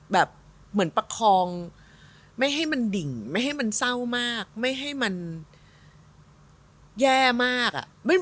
แบบเหมือนประคองไม่ให้มันดิ่งไม่ให้มันเศร้ามากไม่ให้มันแย่มาก